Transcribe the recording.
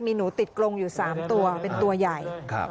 มีหนูติดกรงอยู่๓ตัวเป็นตัวใหญ่